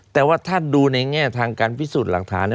แต่ว่าถ้าดูในแง่ทางการพิสูจน์หลักฐาน